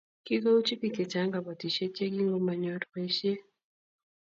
Kikouchi bik chechang kabotisiet ye kingomanyor boisiet